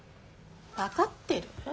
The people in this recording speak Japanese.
分かってる？